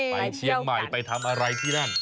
ไปเชียงใหม่ไปทำอะไรที่นั่น